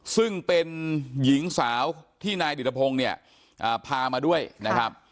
ซึ่งเป็นหญิงสาวที่นายดิรพงศ์เนี่ยพามาด้วยนะครับ